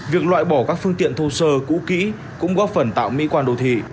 việc loại bỏ các phương tiện thô sơ cũ kỹ cũng góp phần tạo mỹ quan đô thị